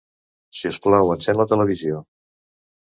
Si us plau, encén la televisió.